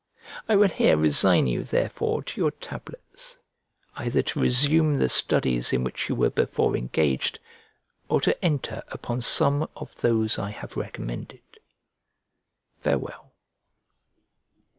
I will here resign you therefore to your tablets, either to resume the studies in which you were before engaged or to enter upon some of those I have recommended. Farewell.